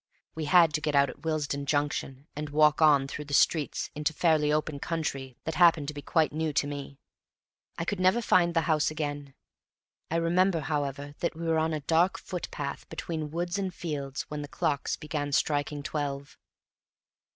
We had to get out at Willesden Junction and walk on through the streets into fairly open country that happened to be quite new to me. I could never find the house again. I remember, however, that we were on a dark footpath between woods and fields when the clocks began striking twelve.